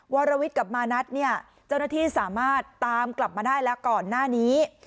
วรวิทย์กับมานัทเนี่ยเจ้าหน้าที่สามารถตามกลับมาได้แล้วก่อนหน้านี้